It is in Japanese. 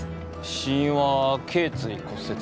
死因は頸椎骨折。